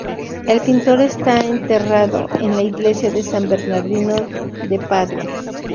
El pintor está enterrado en la "iglesia de San Bernardino" de Padua.